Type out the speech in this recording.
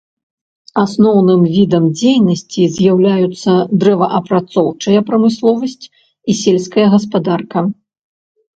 Асноўным відам дзейнасці з'яўляюцца дрэваапрацоўчая прамысловасць і сельская гаспадарка.